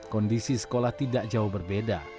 kondisi sekolah tidak jauh berbeda